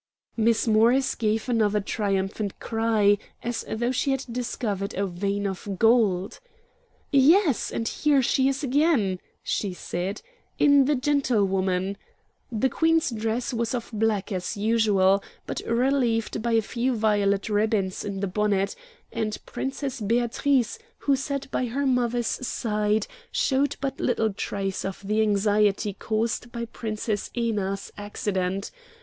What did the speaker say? Miss Morris gave another triumphant cry, as though she had discovered a vein of gold. "Yes, and here she is again," she said, "in the Gentlewoman: 'The Queen's dress was of black, as usual, but relieved by a few violet ribbons in the bonnet; and Princess Beatrice, who sat by her mother's side, showed but little trace of the anxiety caused by Princess Ena's accident.